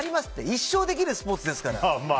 一生できるスポーツですから。